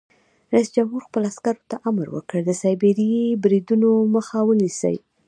رئیس جمهور خپلو عسکرو ته امر وکړ؛ د سایبري بریدونو مخه ونیسئ!